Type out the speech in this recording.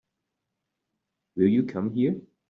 Will you come here?